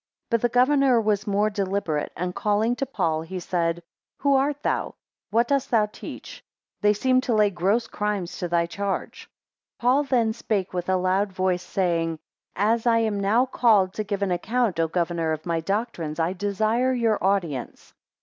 4 But the governor was more deliberate, and calling to Paul, he said, Who art thou? What dost thou teach? They seem to lay gross crimes to thy charge. 5 Paul then spake with a loud voice, saying, As I am now called to give an account, O governor, of my doctrines, I desire your audience.